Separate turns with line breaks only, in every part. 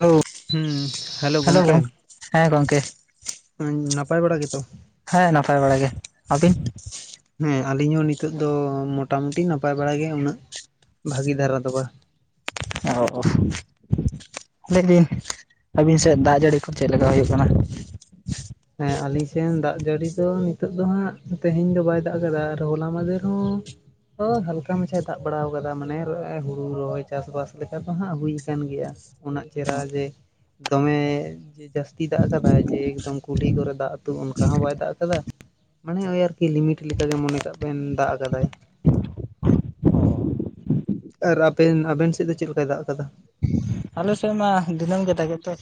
Hello
ᱦᱩᱸ hello
hello
ᱜᱚᱝᱠᱮ
ᱦᱮᱸ ᱜᱚᱝᱠᱮ᱾
ᱱᱟᱯᱟᱭ ᱵᱟᱲᱟ ᱜᱤᱛᱚ?
ᱦᱮᱸ ᱱᱟᱯᱟᱭ ᱵᱟᱲᱟ ᱜᱮ ᱟᱹᱵᱤᱱ?
ᱦᱮᱸ ᱟᱞᱤᱧ ᱦᱚᱸ ᱱᱤᱛᱳᱜ ᱫᱚ ᱢᱚᱴᱟ ᱢᱩᱴᱤ ᱱᱟᱯᱟᱭ ᱵᱟᱲᱟ ᱜᱮ ᱩᱱᱟᱹᱜ ᱵᱷᱟᱜᱤ ᱫᱷᱟᱨᱟ ᱫᱚ ᱵᱟᱝ᱾
ᱚᱻᱻ [unintelligible] ᱟᱹᱵᱤᱱ ᱥᱮᱜ ᱫᱟᱜ ᱡᱟᱹᱲᱤ ᱠᱚ ᱪᱮᱜ ᱞᱮᱠᱟ ᱦᱳᱭᱳᱜ ᱠᱟᱱᱟ?
ᱦᱮᱸ ᱟᱞᱤᱧ ᱥᱮᱱ ᱫᱟᱜ ᱡᱟᱹᱲᱤ ᱫᱚ ᱱᱤᱛᱚᱜ ᱫᱚ ᱦᱟᱸᱜ ᱛᱮᱦᱮᱧ ᱫᱚ ᱵᱟᱭ ᱫᱟᱜ ᱠᱟᱫᱟ ᱟᱨ ᱦᱚᱞᱟ ᱢᱟᱫᱷᱮᱨ ᱦᱚᱸ ᱫᱚ ᱦᱟᱞᱠᱟ ᱢᱟᱪᱷᱟᱭ ᱫᱟᱵᱜ ᱵᱟᱲᱟᱣ ᱠᱟᱫᱟ ᱢᱟᱱᱮ ᱦᱩᱲᱩ ᱨᱚᱦᱚᱭ ᱪᱟᱥᱵᱟᱥ ᱞᱮᱠᱟ ᱫᱚ ᱦᱟᱸᱜ ᱦᱩᱭ ᱠᱟᱱ ᱜᱮᱭᱟ᱾ ᱩᱱᱟᱹᱜ ᱪᱮᱦᱨᱟ ᱡᱮ ᱫᱚᱢᱮ ᱡᱟᱹᱥᱛᱤ ᱫᱟᱜ ᱠᱟᱫᱟᱭ ᱡᱮ ᱮᱠᱫᱚᱢ ᱠᱩᱞᱦᱤ ᱠᱚᱨᱮ ᱫᱟᱜ ᱟᱹᱛᱩᱜ ᱚᱱᱠᱟ ᱦᱚᱸ ᱵᱟᱭ ᱫᱟᱜ ᱠᱟᱫᱟ᱾ ᱢᱟᱱᱮ ᱳᱭ ᱟᱨᱠᱤ ᱞᱤᱢᱤᱴ ᱞᱮᱠᱟ ᱜᱮ ᱢᱚᱱᱮ ᱠᱟᱜ ᱵᱮᱱ ᱫᱟᱜ ᱠᱟᱫᱟᱭ᱾ ᱟᱨ ᱟᱵᱮᱱ ᱟᱵᱮᱱ ᱥᱮᱜ ᱫᱚ ᱪᱮᱫ ᱞᱮᱠᱟᱭ ᱫᱟᱜ ᱠᱟᱫᱟ?
ᱟᱞᱮ ᱥᱮᱜ ᱢᱟ ᱫᱤᱱᱟᱹᱢ ᱜᱮ ᱫᱟᱜ ᱮᱫ ᱫᱚᱭ᱾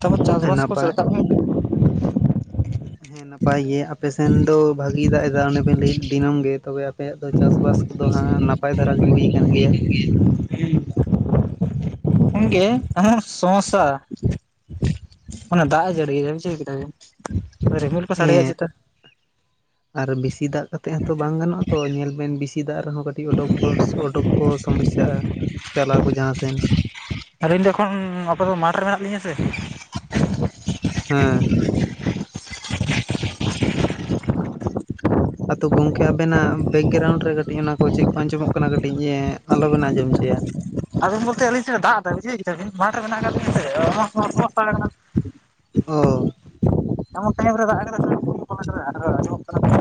ᱛᱟᱯᱚᱨ ᱪᱟᱥ
ᱦᱮᱸ
ᱵᱟᱥ ᱠᱚ
ᱱᱟᱯᱟᱭ
[unintelligible]
ᱦᱮᱸ ᱱᱟᱯᱟᱭ ᱜᱮ ᱟᱯᱮ ᱥᱮᱱ ᱫᱚ ᱵᱷᱟ ᱜᱤ ᱫᱟᱜ ᱮᱫᱟ ᱚᱸᱱᱮᱵᱤᱱ ᱞᱟᱹᱭᱮᱜ ᱫᱤᱱᱟᱹᱢ ᱜᱮ, ᱛᱚᱵᱮ ᱟᱯᱮᱭᱟᱜ ᱫᱚ ᱪᱟᱥ ᱵᱟᱥ ᱠᱚᱫᱚ ᱦᱟᱸᱜ ᱱᱟᱯᱟᱭ ᱫᱷᱟᱨᱟ ᱜᱮ ᱦᱩᱭ ᱟᱠᱟᱱ ᱜᱮᱭᱟ᱾
[inaudible] ᱠᱷᱚᱱ ᱜᱮ ᱩᱦᱩᱜ ᱥᱚᱢᱚᱥᱥᱟ᱾ ᱚᱱᱟ ᱫᱟᱜ ᱮ ᱡᱟᱹᱲᱤᱭᱮᱫᱟ ᱵᱩᱡᱷᱟᱹᱣ ᱠᱮᱫᱟ ᱵᱤᱱ ᱨᱤᱢᱤᱞ ᱠᱚ ᱥᱟᱰᱮᱭᱟ
ᱦᱮᱸ
ᱪᱮᱛᱟ
ᱟᱨ ᱵᱤᱥᱤ ᱫᱟᱜ ᱠᱟᱛᱮᱜ ᱦᱚᱸᱛᱚ ᱵᱟᱝ ᱜᱟᱱᱚᱜᱼᱟ᱾ ᱛᱚ ᱧᱮᱞ ᱵᱮᱱ ᱵᱤᱥᱤ ᱫᱟᱜ ᱨᱮᱦᱚᱸ ᱠᱟ ᱛᱤ ᱚᱰᱚᱠ [unintelligible] ᱚᱰᱚᱠ ᱠᱚ ᱥᱚᱢᱚᱥᱥᱟᱜᱼᱟ᱾ ᱪᱟᱞᱟᱣ ᱠᱚ ᱡᱟᱸᱦᱟ ᱥᱮᱱ᱾
ᱟᱹᱞᱤᱧ ᱫᱚ ᱮᱠᱷᱚᱱ ᱟᱯᱟᱛᱚ ᱢᱟᱴᱷᱨᱮ ᱢᱮᱱᱟᱜ ᱞᱤᱧᱟ ᱥᱮ᱾
ᱦᱮᱸ ᱟᱫᱚ ᱜᱚᱝᱠᱮ ᱟᱵᱮᱱᱟᱜ ᱵᱮᱜᱨᱟᱣᱩᱱᱰ ᱨᱮ, ᱠᱟᱹᱴᱤᱡ ᱚᱱᱟ ᱠᱚ ᱪᱮᱫ ᱠᱚ ᱟᱸᱡᱚᱢᱚᱜ ᱠᱟᱱᱟ, ᱠᱟᱹᱴᱤᱡ ᱟᱞᱚᱵᱮᱱ ᱟᱸᱡᱚᱢ ᱚᱪᱚᱭᱟ
ᱟᱵᱤᱱ ᱵᱚᱞᱛᱮ ᱟᱹᱞᱤᱧ ᱥᱮᱫ ᱮ ᱫᱟᱜ ᱫᱟ ᱵᱩᱡᱷᱟᱹᱣ ᱠᱮᱫᱟ ᱵᱤᱱ ᱢᱟᱴᱷ ᱨᱮ ᱢᱮᱱᱟᱜ ᱠᱟᱜ ᱞᱤᱧᱟ ᱮᱢᱚᱜ ᱥᱚᱢᱢᱥᱥᱟ [inaudible]
ᱚ
ᱮᱢᱚᱜ ᱴᱟᱭᱤᱢ ᱨᱮ ᱫᱟᱜ ᱠᱟᱫᱟᱭ ᱥᱮ [inaudible] ᱟᱸᱡᱚᱢᱚᱜ ᱠᱟᱱᱟ᱾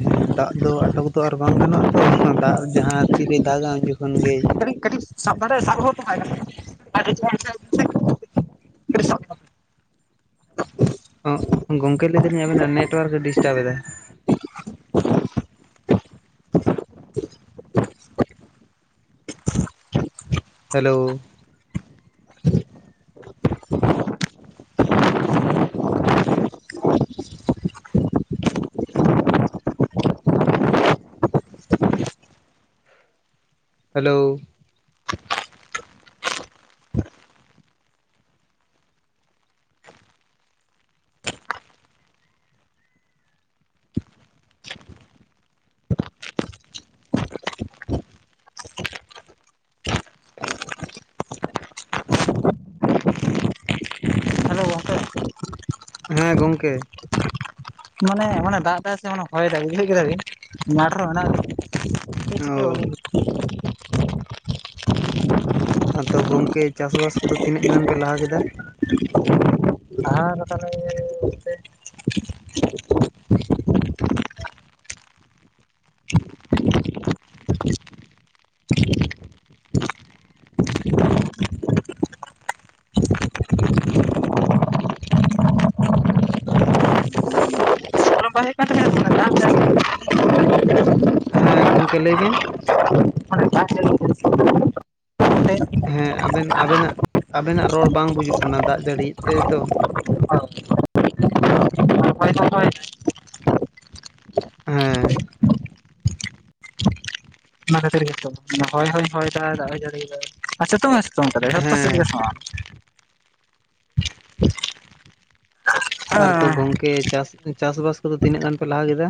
ᱦᱮᱸ ᱫᱟᱜ ᱫᱚ ᱟᱴᱚᱠ ᱫᱚ ᱟᱨ ᱵᱟᱝ ᱜᱟᱱᱚᱜ-ᱟ ᱛᱚ ᱫᱟᱜ ᱡᱟᱦᱟᱸ ᱛᱤᱨᱮ ᱫᱟᱜᱟ ᱩᱱᱡᱚᱠᱷ
[unintelligible]
ᱚ ᱜᱚᱢᱠᱮ ᱞᱟᱹᱭᱫᱟᱹᱞᱤᱧ ᱟᱵᱮᱱᱟᱜ ᱱᱮᱴᱣᱟᱨᱠ ᱰᱤᱥᱴᱟᱵᱽ ᱮᱫᱟ ᱦᱮᱞᱳ ᱦᱮᱞᱳ
ᱦᱮᱞᱳ ᱜᱚᱝᱠᱮ
ᱦᱮᱸ ᱜᱚᱝᱠᱮ
ᱢᱟᱱᱮ ᱢᱟᱱᱮ ᱫᱟᱜ ᱮᱫᱟ ᱥᱮ ᱚᱱᱮ ᱦᱚᱭ ᱫᱟᱭ ᱵᱩᱡᱷᱟᱹᱣ ᱠᱮᱫᱟ ᱵᱤᱱ ᱢᱟᱴᱷ ᱨᱮᱦᱚᱸ ᱢᱮᱱᱟᱜ ᱪᱮᱫ ᱪᱤᱠᱟᱹ
ᱚ
ᱵᱟᱹᱞᱤᱧ
ᱟᱫᱚ ᱜᱚᱝᱠᱮ ᱪᱟᱥ ᱵᱟᱥ ᱠᱚᱫᱚ ᱛᱤᱱᱟᱹᱜ ᱜᱟᱱ ᱯᱮ ᱞᱟᱦᱟ ᱠᱮᱫᱟ?
ᱦᱟᱸ ᱛᱟᱦᱚᱞᱮ ᱚᱱᱛᱮ ᱵᱟᱭ ᱦᱩᱭᱩᱜ ᱠᱟᱱ ᱛᱟᱵᱤᱱᱟ ᱢᱟᱱᱮ ᱫᱟᱜ ᱫᱟᱭ
ᱦᱮᱸ ᱜᱚᱝᱠᱮ ᱞᱟᱹᱭ ᱵᱮᱱ
ᱡᱟᱦᱟᱸᱮᱞ [inaudible]
ᱦᱮᱸ ᱟᱵᱮᱱ ᱟᱵᱮᱱᱟᱜ ᱟᱵᱮᱱᱟᱜ ᱨᱚᱲ ᱵᱟᱝ ᱵᱩᱡᱩᱜ ᱠᱟᱱᱟ ᱫᱟᱜ ᱡᱟᱹᱲᱤᱭ ᱛᱮᱛᱚ
ᱟᱪᱪᱷᱟ ᱦᱳᱭ ᱫᱚ ᱦᱳᱭ ᱫᱟᱭ
ᱦᱮᱸ
ᱚᱱᱟ ᱠᱷᱟᱹᱛᱤᱨ ᱜᱮᱛᱚ ᱦᱚᱭ ᱦᱚᱭ ᱦᱚᱭᱮᱫᱟ ᱫᱟᱜ ᱦᱚᱭ ᱡᱟᱹᱲᱤᱭᱫᱟ ᱟᱨ ᱥᱤᱛᱩᱝ ᱦᱚᱭ ᱥᱤᱛ ᱩᱝ ᱠᱟᱫᱟᱭ ᱡᱚᱛᱚ
ᱦᱮᱸ
ᱥᱟᱹᱨᱤᱜᱮ ᱥᱟᱶᱟᱭ
ᱟᱨ ᱛᱚ
ᱦᱮᱸ
ᱜᱚᱝᱠᱮ ᱪᱟᱥ ᱪᱟᱥ ᱵᱟᱥ ᱠᱚᱫᱚ ᱛᱤᱱᱟᱹᱜ ᱜᱟᱱ ᱯᱮ ᱞᱟᱦᱟ ᱠᱮᱫᱟ?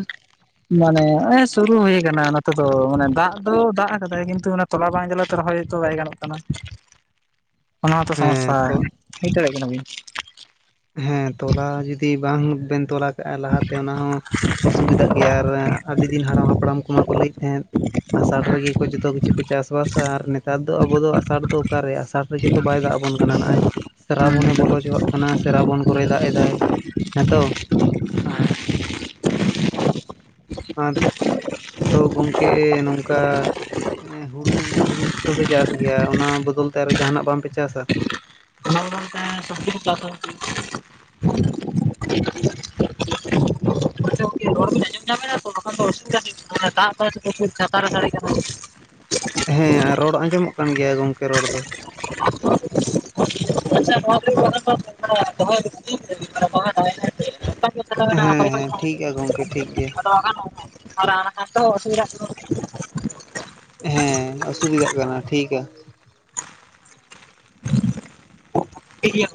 ᱢᱟᱱᱮ ᱱᱚᱜ ᱚᱭ ᱥᱩᱨᱩ ᱦᱩᱭ ᱠᱟᱱᱟ ᱱᱚᱛᱮ ᱫᱚ ᱢᱟᱱᱮ ᱫᱟᱜ ᱫᱚ ᱫᱟᱜ ᱟᱠᱟᱫᱟᱭ ᱠᱤᱱᱛᱩ ᱚᱱᱟ ᱛᱚᱞᱟ ᱵᱟᱝ ᱡᱟᱞᱟᱛᱮ ᱨᱚᱦᱚᱭ ᱦᱚᱛᱚ ᱵᱟᱭ ᱜᱟᱱᱚᱜ ᱠᱟᱱᱟ
[inaudible]
ᱚᱱᱟ ᱦᱚᱸᱛᱚ
ᱦᱮᱸ
ᱥᱚᱢᱚᱥᱥᱟ
ᱛᱚ
ᱵᱩᱡ ᱫᱟᱲᱮᱭᱟᱜ ᱠᱟᱱᱟ ᱵᱤᱱ
ᱦᱮᱸ ᱛᱚᱞᱟ ᱡᱩᱫᱤ ᱵᱟᱝ ᱵᱮᱱ ᱛᱚᱞᱟ ᱞᱟᱦᱟᱛᱮ ᱚᱱᱟ ᱦᱚᱸ ᱚᱥᱩᱵᱤᱫᱟᱜ ᱜᱮᱭᱟ ᱟᱨ ᱟᱰᱤ ᱫᱤᱱ ᱦᱟᱲᱟᱢ ᱦᱟᱯᱲᱟᱢ ᱠᱚᱢᱟᱠᱚ ᱞᱟᱹᱭᱮᱫ ᱛᱟᱦᱮᱸ ᱟᱥᱟᱲ ᱨᱮᱜᱮ ᱠᱚ ᱡᱚᱛᱚ ᱠᱤᱪᱷᱩ ᱠᱚ ᱪᱟᱥ ᱵᱟᱥᱟ ᱟᱨ ᱱᱮᱛᱟᱨ ᱫᱚ ᱟᱵᱚ ᱫᱚ ᱚᱠᱟᱨᱮ ᱟᱥᱟᱲ ᱨᱮᱜᱮ ᱛᱚ ᱵᱟᱭ ᱫᱟᱜ ᱟᱵᱚᱱ ᱠᱟᱱᱟ ᱱᱚᱜ-ᱚᱭ ᱥᱮᱨᱟᱵᱚᱱᱮ ᱵᱚᱞᱚ ᱚᱪᱚᱣᱟᱜ ᱠᱟᱱᱟ ᱥᱮᱨᱟᱵᱚᱱ ᱠᱚᱨᱮᱚᱭ ᱠᱚ ᱨᱮᱭ ᱫᱟᱜ ᱮᱫᱟᱭ ᱦᱮᱸᱛᱚ ᱟᱨ ᱫᱚ ᱜᱚᱢᱠᱮ ᱱᱚᱝᱠᱟ ᱦᱩᱲᱩ ᱦᱩᱲᱩ ᱫᱚᱯᱮ ᱪᱟᱥ ᱜᱮᱭᱟ ᱚᱱᱟ ᱵᱚᱫᱚᱞ ᱛᱮ ᱟᱨᱦᱚᱸ ᱡᱟᱦᱟᱱᱟᱜ ᱵᱟᱝᱯᱮ ᱪᱟᱥᱟ
ᱵᱟᱨ ᱵᱟᱨ ᱠᱟᱱᱟ [inaudible] [unintelligible] ᱨᱚᱲ ᱵᱮᱱ ᱟᱸᱡᱚᱢ ᱧᱟᱢᱮᱫᱟ ᱛᱚ ᱚᱥᱩᱵᱤᱫᱷᱟ ᱫᱚ ᱚᱥᱩᱵᱤᱫᱷᱟ ᱫᱟᱜ ᱚ ᱛᱮᱠᱚ ᱪᱷᱟᱛᱟᱨ ᱨᱮ ᱫᱟᱲᱮᱭᱟᱜ ᱠᱟᱱᱟ
ᱦᱮᱸ ᱨᱚᱲ ᱟᱸᱡᱚᱢᱚᱜ ᱠᱟᱱ ᱜᱮᱭᱟ ᱜᱚᱝᱠᱮ ᱨᱚᱲ ᱫᱚ
[inaudible] ᱟᱪᱪᱷᱟ
ᱦᱮᱸ ᱦᱮᱸ ᱴᱷᱤᱠ ᱜᱮᱭᱟ ᱜᱚᱝᱠᱮ ᱴᱷᱤᱠ ᱜᱮᱭᱟ
[unintelligible] ᱠᱷᱟᱱ ᱛᱚ ᱚᱥᱩᱵᱤᱫᱷᱟ [unintelligible]
ᱦᱮᱸ ᱚᱥᱩᱵᱤᱫᱷᱟᱜ ᱠᱟᱱᱟ ᱴᱷᱤᱠᱟ
ᱜᱮᱭᱟ